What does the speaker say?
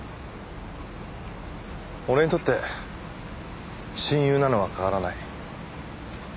俺にとって親友なのは変わらない。